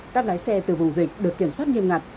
các lái xe từ vùng dịch được kiểm soát nghiêm ngặt